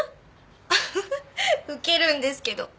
アハハウケるんですけど。